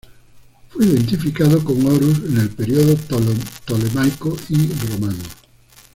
Fue identificado con Horus en el periodo ptolemaico y romano.